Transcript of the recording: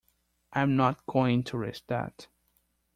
I'm not going to risk that!